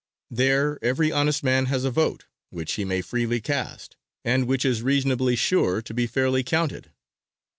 There every honest man has a vote, which he may freely cast, and which is reasonably sure to be fairly counted.